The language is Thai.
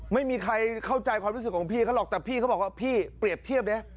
ไม่มีใครเข้าใจความรู้สึกของพี่เขาหรอกแต่พี่เขาบอกว่าพี่เปรียบเทียบดิ